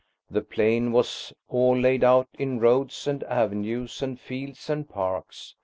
The plain was all laid out in roads and avenues and fields and parks.